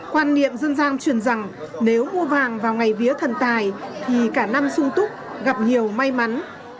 quan niệm dân gian truyền rằng nếu mua vàng vào ngày vía thần tài thì cả năm sung túc gặp nhiều may mắn